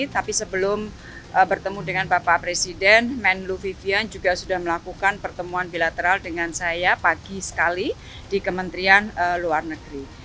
tapi sebelum bertemu dengan bapak presiden men lu vivian juga sudah melakukan pertemuan bilateral dengan saya pagi sekali di kementerian luar negeri